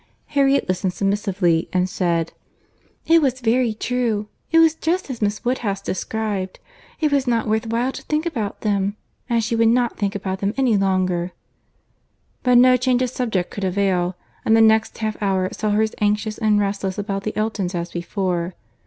Harriet listened submissively, and said "it was very true—it was just as Miss Woodhouse described—it was not worth while to think about them—and she would not think about them any longer" but no change of subject could avail, and the next half hour saw her as anxious and restless about the Eltons as before.